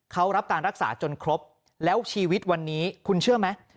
เขารับการรักษาจนครบแล้วชีวิตวันนี้คุณเชื่อไหม